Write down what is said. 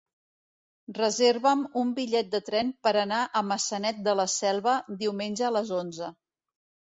Reserva'm un bitllet de tren per anar a Maçanet de la Selva diumenge a les onze.